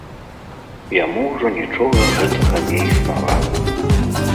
Яму ўжо нічога гэтага не існавала.